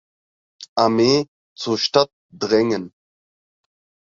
Armee zur Stadt drängen.